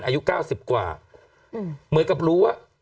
อายุ๙๐กว่าเหมือนกับรู้ว่า